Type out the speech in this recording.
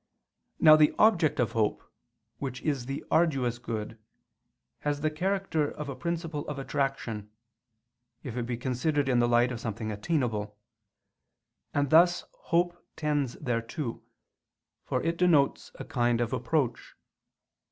Now the object of hope, which is the arduous good, has the character of a principle of attraction, if it be considered in the light of something attainable; and thus hope tends thereto, for it denotes a kind of approach.